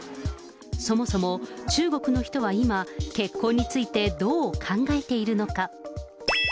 そもそも中国の人は今、結婚について、どう考えているのか。